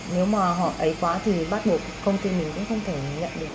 nếu mà họ ấy quá thì bắt buộc công ty mình cũng không thể nhận được